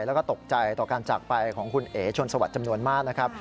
แล้วก็ตกใจต่อการจากไปของคุณเอ๋ชนสวัสดิ์จำนวนมากนะครับ